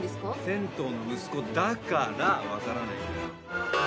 銭湯の息子だから、分からないんだよ！